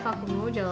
じゃあ。